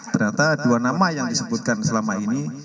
ternyata dua nama yang disebutkan selama ini